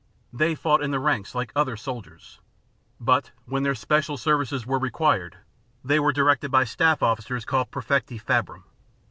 They fought in the ranks like other soldiers ; but, when their special services were required, they were directed by staff officers called praefecti fabrum.